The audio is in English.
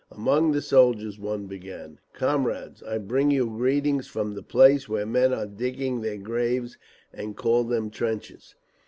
Among the soldiers one began, "Comrades! I bring you greetings from the place where men are digging their graves and call them trenches!"